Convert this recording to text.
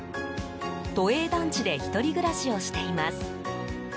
都営団地で１人暮らしをしています。